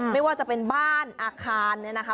ไม่ว่าจะเป็นบ้านอาคารเนี่ยนะคะ